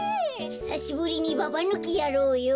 ひさしぶりにババぬきやろうよ。